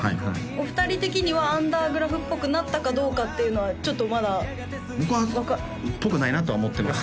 お二人的にはアンダーグラフっぽくなったかどうかっていうのはちょっとまだ僕はぽくないなとは思ってます